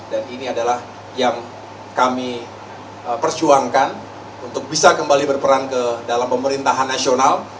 dan ini adalah yang kami persuangkan untuk bisa kembali berperan ke dalam pemerintahan nasional